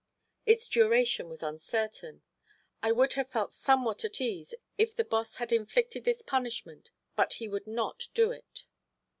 Its duration was uncertain. I would have felt somewhat at ease if the boss had inflicted this punishment, but he would not do it.